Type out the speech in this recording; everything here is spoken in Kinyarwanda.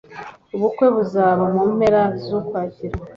Ubukwe buzaba mu mpera z'Ukwakira.